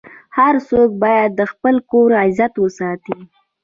هر څوک باید د خپل کور عزت وساتي.